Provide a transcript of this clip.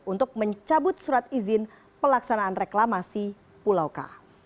untuk mencabut surat izin pelaksanaan reklamasi pulau k